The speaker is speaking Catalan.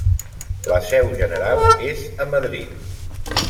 La seu general és a Madrid.